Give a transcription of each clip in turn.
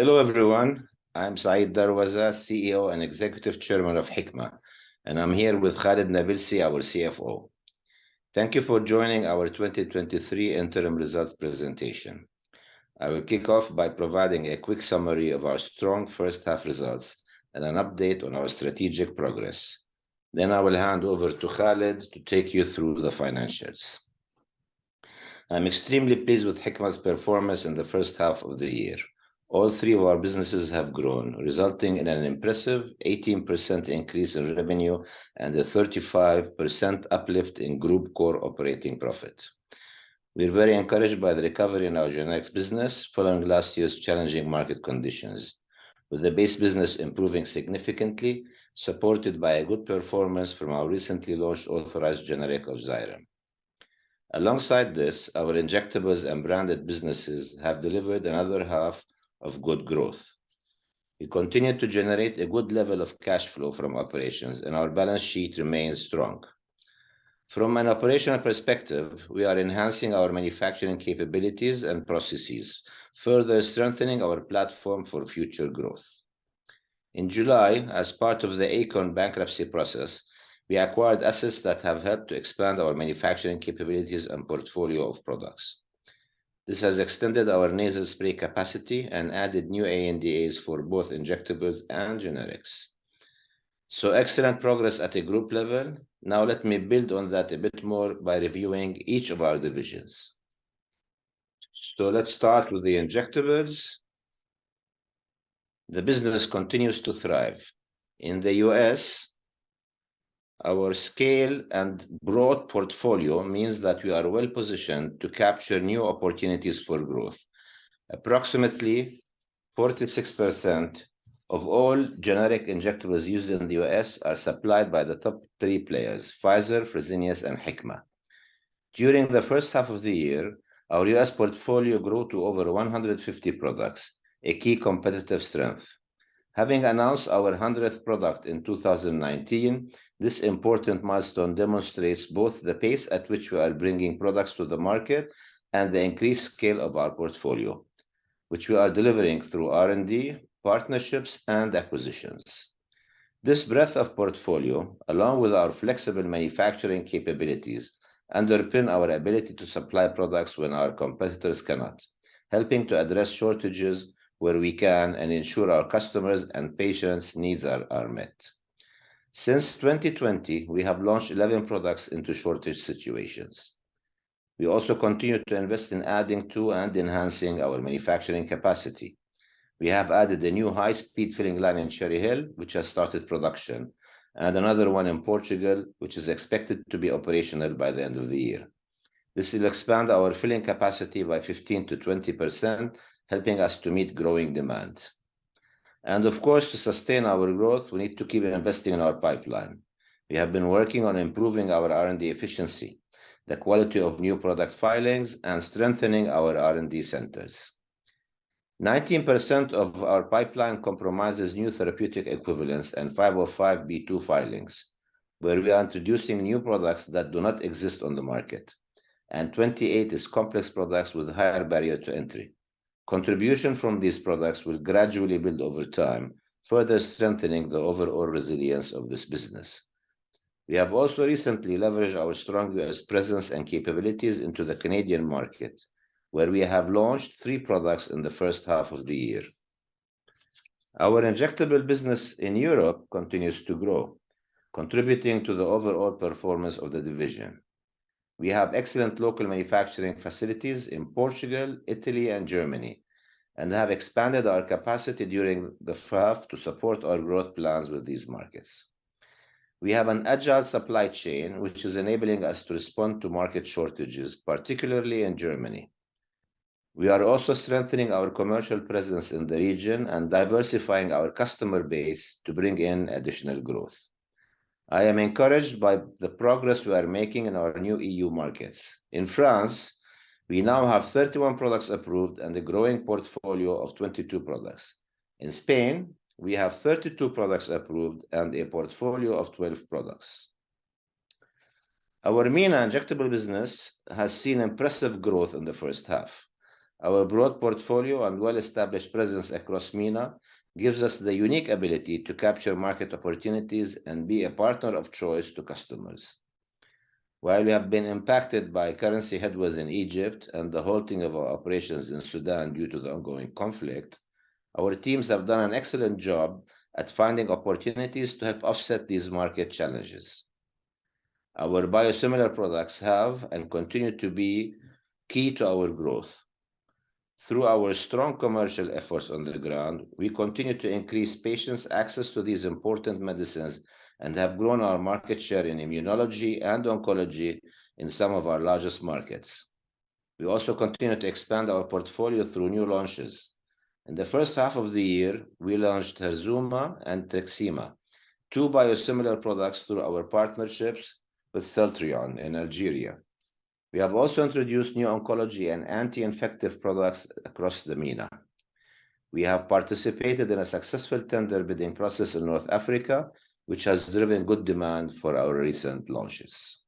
Hello, everyone. I'm Said Darwazah, CEO and Executive Chairman of Hikma, and I'm here with Khalid Nabilsi, our CFO. Thank you for joining our 2023 interim results presentation. I will kick off by providing a quick summary of our strong first half results and an update on our strategic progress. I will hand over to Khalid to take you through the financials. I'm extremely pleased with Hikma's performance in the first half of the year. All three of our businesses have grown, resulting in an impressive 18% increase in revenue and a 35% uplift in group core operating profit. We're very encouraged by the recovery in our Generics business following last year's challenging market conditions, with the base business improving significantly, supported by a good performance from our recently launched authorized generic of Xyrem. Alongside this, our Injectables and Branded businesses have delivered another half of good growth. We continue to generate a good level of cash flow from operations, and our balance sheet remains strong. From an operational perspective, we are enhancing our manufacturing capabilities and processes, further strengthening our platform for future growth. In July, as part of the Akorn bankruptcy process, we acquired assets that have helped to expand our manufacturing capabilities and portfolio of products. This has extended our nasal spray capacity and added new ANDAs for both Injectables and Generics. Excellent progress at a group level. Now, let me build on that a bit more by reviewing each of our divisions. Let's start with the Injectables. The business continues to thrive. In the U.S., our scale and broad portfolio means that we are well-positioned to capture new opportunities for growth. Approximately 46% of all generic injectables used in the U.S. are supplied by the top three players, Pfizer, Fresenius, and Hikma. During the first half of the year, our U.S. portfolio grew to over 150 products, a key competitive strength. Having announced our 100th product in 2019, this important milestone demonstrates both the pace at which we are bringing products to the market and the increased scale of our portfolio, which we are delivering through R&D, partnerships, and acquisitions. This breadth of portfolio, along with our flexible manufacturing capabilities, underpin our ability to supply products when our competitors cannot, helping to address shortages where we can and ensure our customers and patients' needs are met. Since 2020, we have launched 11 products into shortage situations. We also continued to invest in adding to and enhancing our manufacturing capacity. We have added a new high-speed filling line in Cherry Hill, which has started production, and another one in Portugal, which is expected to be operational by the end of the year. This will expand our filling capacity by 15%-20%, helping us to meet growing demand. Of course, to sustain our growth, we need to keep investing in our pipeline. We have been working on improving our R&D efficiency, the quality of new product filings, and strengthening our R&D centers. 19% of our pipeline compromises new therapeutic equivalents and 505(b)(2) filings, where we are introducing new products that do not exist on the market, and 28 is complex products with higher barrier to entry. Contribution from these products will gradually build over time, further strengthening the overall resilience of this business. We have also recently leveraged our strongest presence and capabilities into the Canadian market, where we have launched three products in the first half of the year. Our Injectable business in Europe continues to grow, contributing to the overall performance of the division. We have excellent local manufacturing facilities in Portugal, Italy, and Germany, and have expanded our capacity during the first half to support our growth plans with these markets. We have an agile supply chain, which is enabling us to respond to market shortages, particularly in Germany. We are also strengthening our commercial presence in the region and diversifying our customer base to bring in additional growth. I am encouraged by the progress we are making in our new EU markets. In France, we now have 31 products approved and a growing portfolio of 22 products. In Spain, we have 32 products approved and a portfolio of 12 products. Our MENA Injectable business has seen impressive growth in the first half. Our broad portfolio and well-established presence across MENA gives us the unique ability to capture market opportunities and be a partner of choice to customers. While we have been impacted by currency headwinds in Egypt and the halting of our operations in Sudan due to the ongoing conflict, our teams have done an excellent job at finding opportunities to help offset these market challenges. Our biosimilar products have and continue to be key to our growth. Through our strong commercial efforts on the ground, we continue to increase patients' access to these important medicines and have grown our market share in immunology and oncology in some of our largest markets. We also continue to expand our portfolio through new launches. In the first half of the year, we launched Herzuma and Truxima, two biosimilar products through our partnerships with Celltrion in Algeria. We have also introduced new oncology and anti-infective products across the MENA. We have participated in a successful tender bidding process in North Africa, which has driven good demand for our recent launches.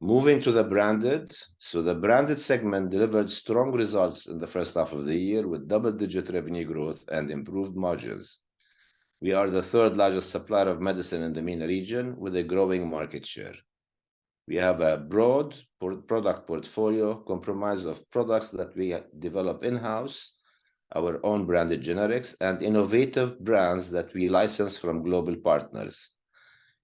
Moving to the Branded. The Branded segment delivered strong results in the first half of the year, with double-digit revenue growth and improved margins. We are the 3rd largest supplier of medicine in the MENA region, with a growing market share. We have a broad product portfolio, compromised of products that we develop in-house, our own branded generics, and innovative brands that we license from global partners.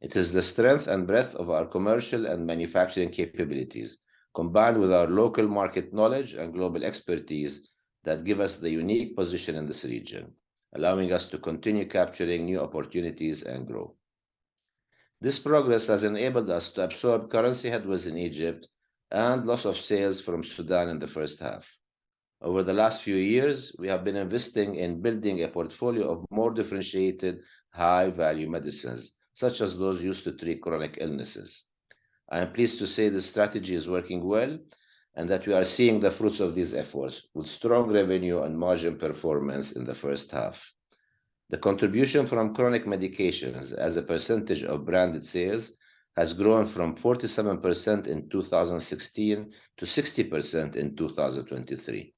It is the strength and breadth of our commercial and manufacturing capabilities, combined with our local market knowledge and global expertise, that give us the unique position in this region, allowing us to continue capturing new opportunities and grow. This progress has enabled us to absorb currency headwinds in Egypt and loss of sales from Sudan in the first half. Over the last few years, we have been investing in building a portfolio of more differentiated, high-value medicines, such as those used to treat chronic illnesses. I am pleased to say the strategy is working well, and that we are seeing the fruits of these efforts, with strong revenue and margin performance in the first half. The contribution from chronic medications as a percentage of branded sales has grown from 47% in 2016 to 60% in 2023.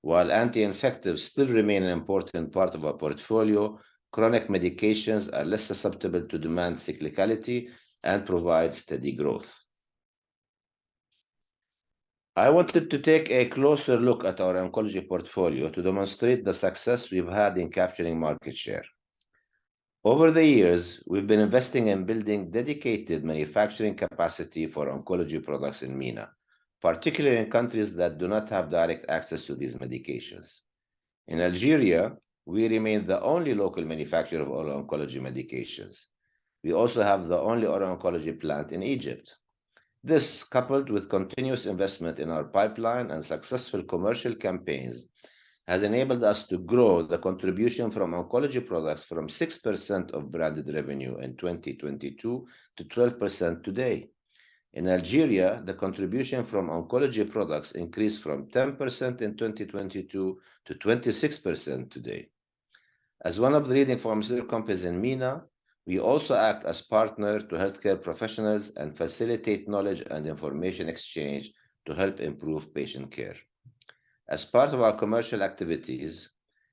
While anti-infectives still remain an important part of our portfolio, chronic medications are less susceptible to demand cyclicality and provide steady growth. I wanted to take a closer look at our oncology portfolio to demonstrate the success we've had in capturing market share. Over the years, we've been investing in building dedicated manufacturing capacity for oncology products in MENA, particularly in countries that do not have direct access to these medications. In Algeria, we remain the only local manufacturer of oral oncology medications. We also have the only oral oncology plant in Egypt. This, coupled with continuous investment in our pipeline and successful commercial campaigns, has enabled us to grow the contribution from oncology products from 6% of branded revenue in 2022 to 12% today. In Algeria, the contribution from oncology products increased from 10% in 2022 to 26% today. As one of the leading pharmaceutical companies in MENA, we also act as partner to healthcare professionals and facilitate knowledge and information exchange to help improve patient care. As part of our commercial activities,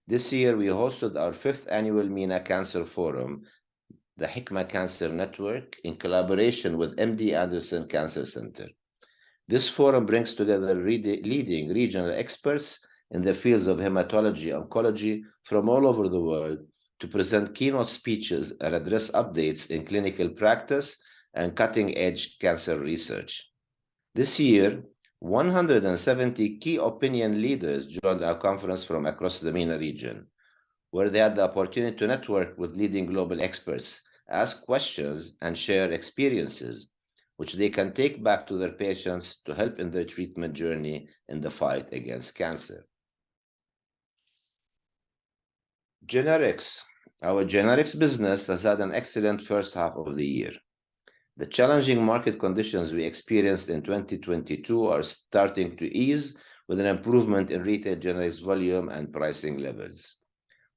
this year we hosted our 5th annual MENA Cancer Forum, the Hikma Cancer Network, in collaboration with MD Anderson Cancer Center. This forum brings together leading regional experts in the fields of hematology, oncology from all over the world, to present keynote speeches and address updates in clinical practice and cutting-edge cancer research. This year, 170 key opinion leaders joined our conference from across the MENA region, where they had the opportunity to network with leading global experts, ask questions, and share experiences, which they can take back to their patients to help in their treatment journey in the fight against cancer. Generics. Our generics business has had an excellent first half of the year. The challenging market conditions we experienced in 2022 are starting to ease, with an improvement in retail generics volume and pricing levels.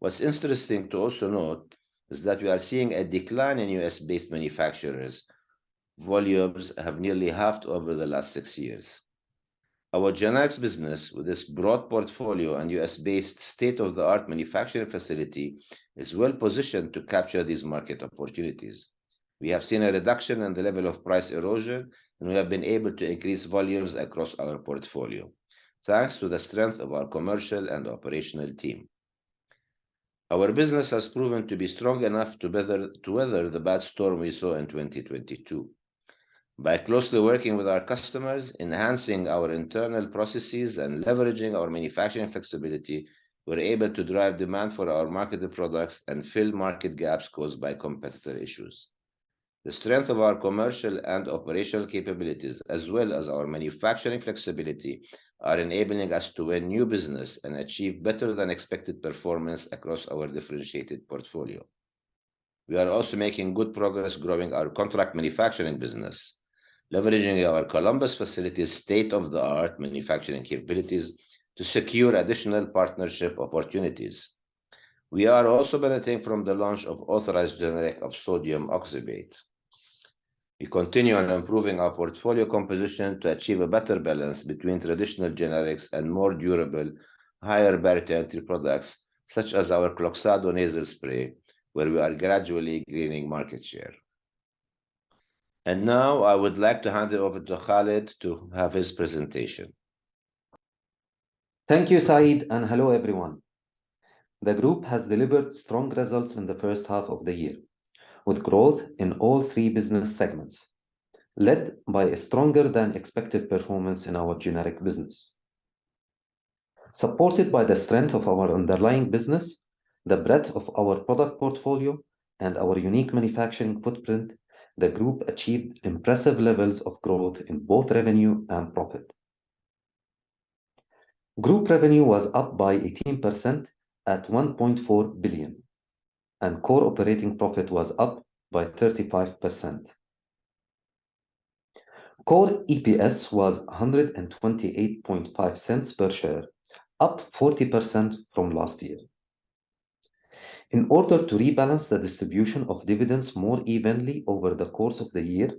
What's interesting to also note is that we are seeing a decline in US-based manufacturers. Volumes have nearly halved over the last six years. Our generics business, with its broad portfolio and US-based state-of-the-art manufacturing facility, is well positioned to capture these market opportunities. We have seen a reduction in the level of price erosion, and we have been able to increase volumes across our portfolio, thanks to the strength of our commercial and operational team. Our business has proven to be strong enough to weather, to weather the bad storm we saw in 2022. By closely working with our customers, enhancing our internal processes, and leveraging our manufacturing flexibility, we're able to drive demand for our marketed products and fill market gaps caused by competitor issues. The strength of our commercial and operational capabilities, as well as our manufacturing flexibility, are enabling us to win new business and achieve better-than-expected performance across our differentiated portfolio. We are also making good progress growing our contract manufacturing business, leveraging our Columbus facility's state-of-the-art manufacturing capabilities to secure additional partnership opportunities. We are also benefiting from the launch of authorized generic of sodium oxybate. We continue on improving our portfolio composition to achieve a better balance between traditional generics and more durable, higher-barriers-to-entry products, such as our Cloxacillin nasal spray, where we are gradually gaining market share. Now I would like to hand it over to Khalid to have his presentation. Thank you, Said, and hello, everyone. The group has delivered strong results in the first half of the year, with growth in all three business segments, led by a stronger-than-expected performance in our generic business. Supported by the strength of our underlying business, the breadth of our product portfolio, and our unique manufacturing footprint, the group achieved impressive levels of growth in both revenue and profit. Group revenue was up by 18% at $1.4 billion, and core operating profit was up by 35%. Core EPS was $1.285 per share, up 40% from last year. In order to rebalance the distribution of dividends more evenly over the course of the year,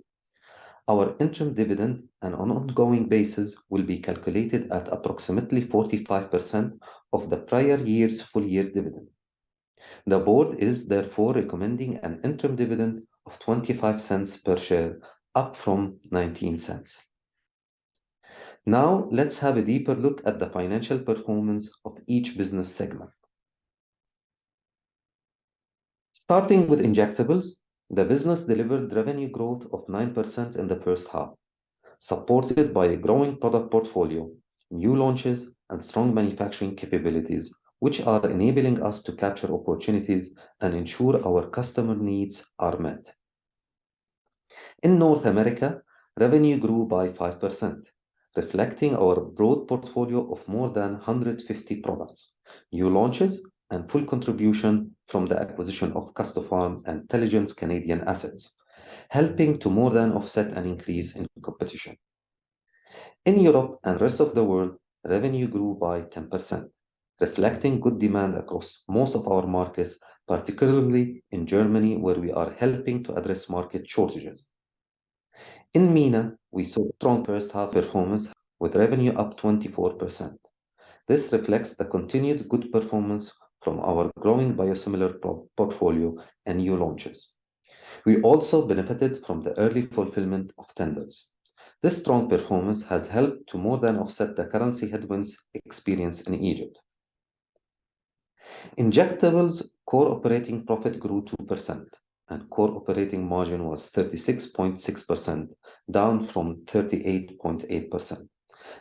our interim dividend and on an ongoing basis will be calculated at approximately 45% of the prior year's full-year dividend. The board is therefore recommending an interim dividend of $0.25 per share, up from $0.19. Now, let's have a deeper look at the financial performance of each business segment. Starting with Injectables, the business delivered revenue growth of 9% in the first half, supported by a growing product portfolio, new launches, and strong manufacturing capabilities, which are enabling us to capture opportunities and ensure our customer needs are met. In North America, revenue grew by 5%, reflecting our broad portfolio of more than 150 products, new launches, and full contribution from the acquisition of Custopharm and Teligent Canadian assets, helping to more than offset an increase in competition. In Europe and rest of the world, revenue grew by 10%, reflecting good demand across most of our markets, particularly in Germany, where we are helping to address market shortages. In MENA, we saw strong first half performance, with revenue up 24%. This reflects the continued good performance from our growing biosimilar portfolio and new launches. We also benefited from the early fulfillment of tenders. This strong performance has helped to more than offset the currency headwinds experienced in Egypt. Injectables core operating profit grew 2%, core operating margin was 36.6%, down from 38.8%.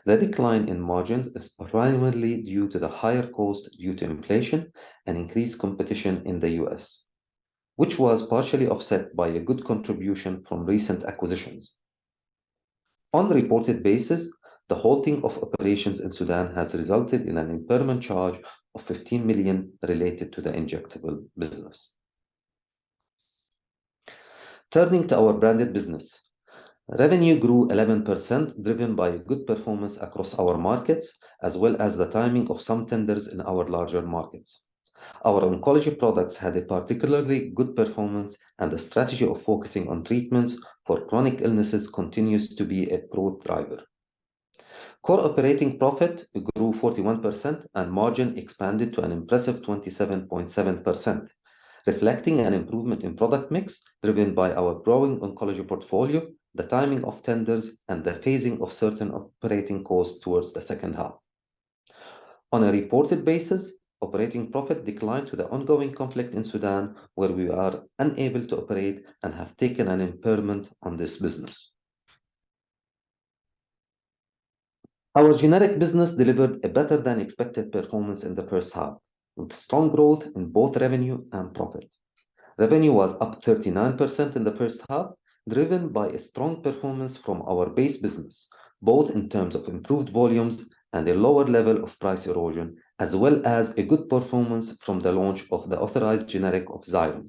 The decline in margins is primarily due to the higher cost due to inflation and increased competition in the US, which was partially offset by a good contribution from recent acquisitions. On a reported basis, the halting of operations in Sudan has resulted in an impairment charge of 15 million related to the Injectables business. Turning to our Branded business, revenue grew 11%, driven by good performance across our markets, as well as the timing of some tenders in our larger markets. Our oncology products had a particularly good performance, the strategy of focusing on treatments for chronic illnesses continues to be a growth driver. Core operating profit grew 41% and margin expanded to an impressive 27.7%, reflecting an improvement in product mix driven by our growing oncology portfolio, the timing of tenders, and the phasing of certain operating costs towards the second half. On a reported basis, operating profit declined to the ongoing conflict in Sudan, where we are unable to operate and have taken an impairment on this business. Our generic business delivered a better-than-expected performance in the first half, with strong growth in both revenue and profit. Revenue was up 39% in the first half, driven by a strong performance from our base business, both in terms of improved volumes and a lower level of price erosion, as well as a good performance from the launch of the authorized generic of Xyrem.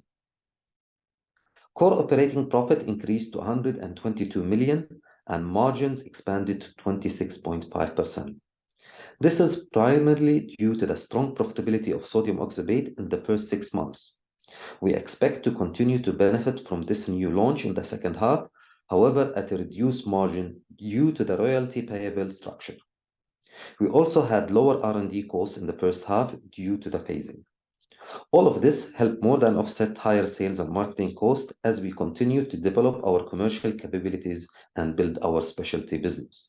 Core operating profit increased to $122 million. Margins expanded to 26.5%. This is primarily due to the strong profitability of sodium oxybate in the first six months. We expect to continue to benefit from this new launch in the second half, however, at a reduced margin due to the royalty payable structure. We also had lower R&D costs in the first half due to the phasing. All of this helped more than offset higher sales and marketing costs as we continue to develop our commercial capabilities and build our specialty business.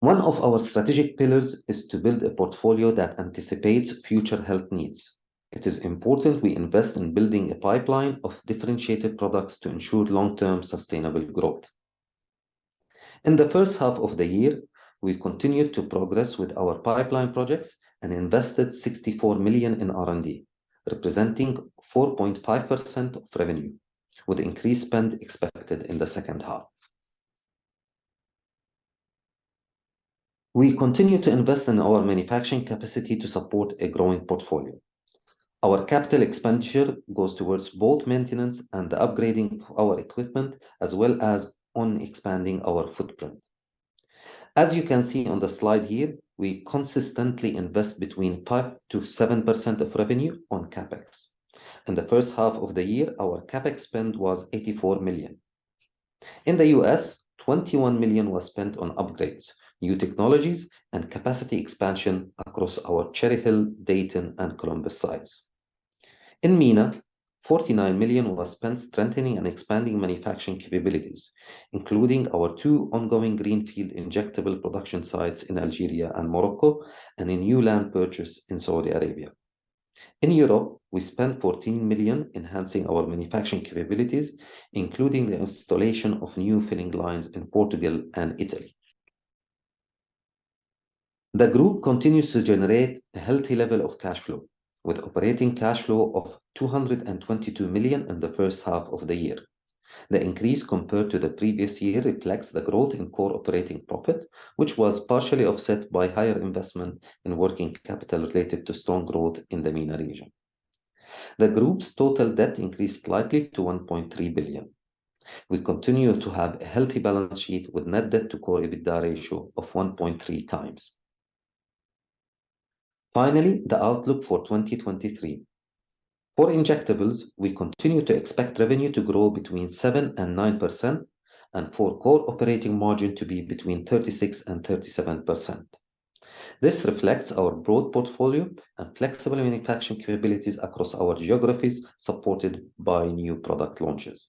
One of our strategic pillars is to build a portfolio that anticipates future health needs. It is important we invest in building a pipeline of differentiated products to ensure long-term sustainable growth. In the first half of the year, we continued to progress with our pipeline projects and invested 64 million in R&D, representing 4.5% of revenue, with increased spend expected in the second half. We continue to invest in our manufacturing capacity to support a growing portfolio. Our capital expenditure goes towards both maintenance and upgrading of our equipment, as well as on expanding our footprint. As you can see on the slide here, we consistently invest between 5%-7% of revenue on CapEx. In the first half of the year, our CapEx spend was 84 million. In the US, $21 million was spent on upgrades, new technologies, and capacity expansion across our Cherry Hill, Dayton, and Columbus sites. In MENA, $49 million was spent strengthening and expanding manufacturing capabilities, including our two ongoing greenfield injectable production sites in Algeria and Morocco, and a new land purchase in Saudi Arabia. In Europe, we spent $14 million enhancing our manufacturing capabilities, including the installation of new filling lines in Portugal and Italy. The Group continues to generate a healthy level of cash flow, with operating cash flow of $222 million in the first half of the year. The increase compared to the previous year reflects the growth in core operating profit, which was partially offset by higher investment in working capital related to strong growth in the MENA region. The Group's total debt increased slightly to $1.3 billion. We continue to have a healthy balance sheet with net debt to core EBITDA ratio of 1.3x. Finally, the outlook for 2023. For Injectables, we continue to expect revenue to grow between 7%-9%, and for core operating margin to be between 36%-37%. This reflects our broad portfolio and flexible manufacturing capabilities across our geographies, supported by new product launches.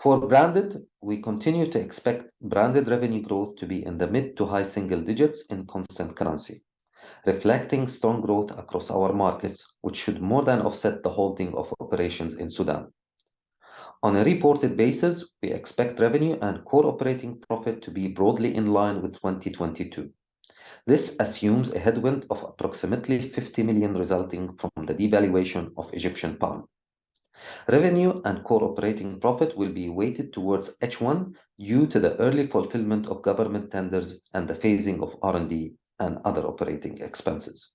For Branded, we continue to expect Branded revenue growth to be in the mid to high single digits in constant currency, reflecting strong growth across our markets, which should more than offset the holding of operations in Sudan. On a reported basis, we expect revenue and core operating profit to be broadly in line with 2022. This assumes a headwind of approximately $50 million resulting from the devaluation of Egyptian pound. Revenue and core operating profit will be weighted towards H1 due to the early fulfillment of government tenders and the phasing of R&D and other operating expenses.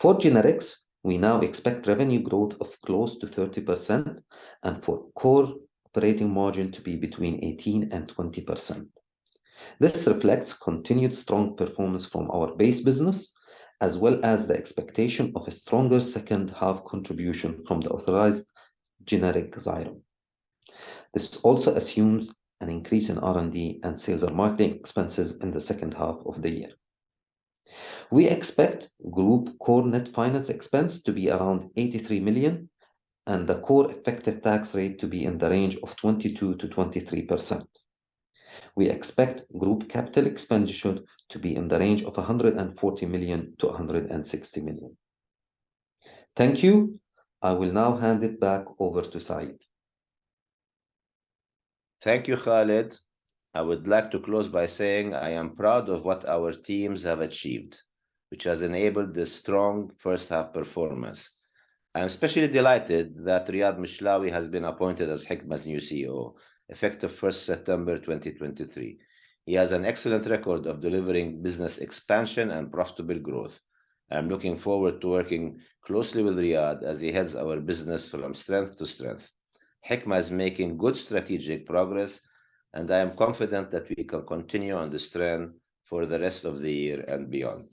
For Generics, we now expect revenue growth of close to 30% and for core operating margin to be between 18% and 20%. This reflects continued strong performance from our base business, as well as the expectation of a stronger second half contribution from the authorized generic Xyrem. This also assumes an increase in R&D and sales and marketing expenses in the second half of the year. We expect group core net finance expense to be around $83 million, and the core effective tax rate to be in the range of 22%-23%. We expect group capital expenditure to be in the range of $140 million-$160 million. Thank you. I will now hand it back over to Said. Thank you, Khaled. I would like to close by saying I am proud of what our teams have achieved, which has enabled this strong first half performance. I'm especially delighted that Riad Mishlawi has been appointed as Hikma's new CEO, effective first September 2023. He has an excellent record of delivering business expansion and profitable growth. I'm looking forward to working closely with Riad as he heads our business from strength to strength. Hikma is making good strategic progress, and I am confident that we can continue on this trend for the rest of the year and beyond.